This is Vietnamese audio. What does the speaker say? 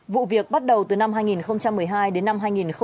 vụ việc bắt đầu từ năm hai nghìn một mươi hai đến năm hai nghìn một mươi bảy